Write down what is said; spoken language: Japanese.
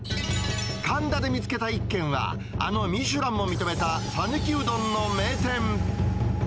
神田で見つけた一軒は、あのミシュランも認めた讃岐うどんの名店。